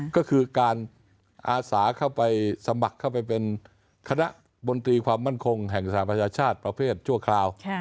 ก็คือการสมัครเข้าไปเป็นคณะบนตรีความมั่นคงแห่งสถานประชาชาติประเภทจัวคราว